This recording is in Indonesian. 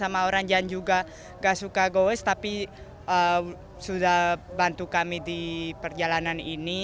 sama orang yang juga gak suka goes tapi sudah bantu kami di perjalanan ini